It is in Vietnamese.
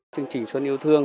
chương trình xuân yêu thương